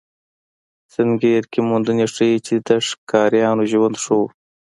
سنګیر کې موندنې ښيي، چې د ښکاریانو ژوند ښه و.